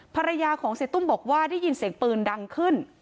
ภรรยาของเสียตุ้มบอกว่าได้ยินเสียงปืนดังขึ้น